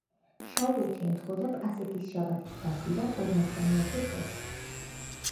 შავუოთი ემთხვეოდა პასექის შაბათის გასვლიდან ორმოცდამეათე დღეს.